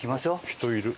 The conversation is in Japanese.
人いる。